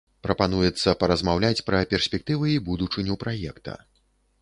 Прапануецца паразмаўляць пра перспектывы і будучыню праекта.